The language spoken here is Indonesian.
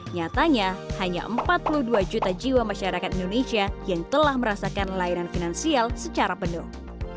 nyatanya hanya empat puluh dua juta jiwa masyarakat indonesia yang telah merasakan layanan finansial secara penuh